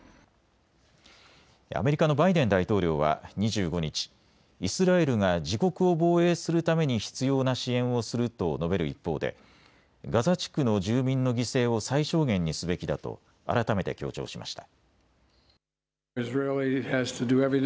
アメリカのバイデン大統領は２５日、イスラエルが自国を防衛するために必要な支援をすると述べる一方でガザ地区の住民の犠牲を最小限にすべきだと改めて強調しました。